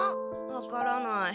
わからない。